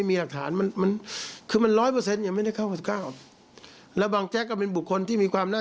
ผมว่าอีกไม่นานเดี๋ยวก็จบไม่มีอะไร